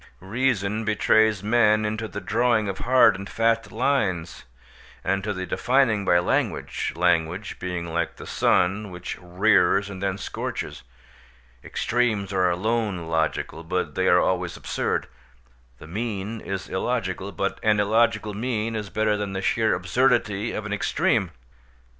Reason betrays men into the drawing of hard and fast lines, and to the defining by language—language being like the sun, which rears and then scorches. Extremes are alone logical, but they are always absurd; the mean is illogical, but an illogical mean is better than the sheer absurdity of an extreme.